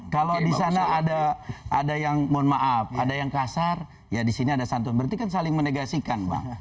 kalau di sana ada yang mohon maaf ada yang kasar ya di sini ada santun berarti kan saling menegasikan bang